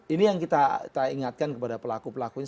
ini yang kita ingatkan kepada pelaku pelakunya